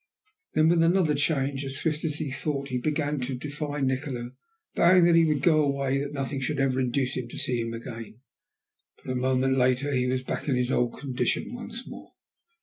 Then with another change as swift as thought he began to defy Nikola, vowing that he would go away, and that nothing should ever induce him to see him again. But a moment later he was back in his old condition once more.